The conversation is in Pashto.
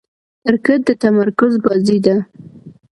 کرکټ د تمرکز بازي ده.